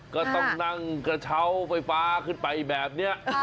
ก็ต้องนั่งกระเช้าไฟฟ้าขึ้นไปแบบนี้